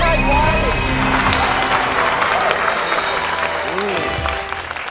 ไม่ใช้ค่ะ